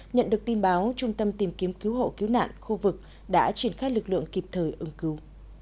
nhận được tin báo trung tâm tìm kiếm cứu hộ cứu nạn khu vực đã triển khai lực lượng kịp thời ứng cứu